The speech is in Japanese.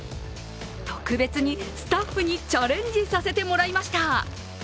特別にスタッフにチャレンジさせてもらいました。